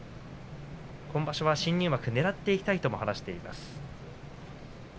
今場所は新入幕をねらっていきたいと話しています。